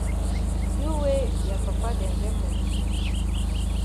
You wey ya papa dem get moni so!